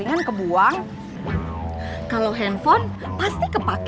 ihan usual gak butuh sufenir ya bapak